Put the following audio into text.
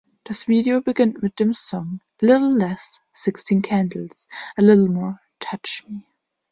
Das Video beginnt mit dem Song „A Little Less ‚Sixteen Candles‘, a Little More ‚Touch Me‘“.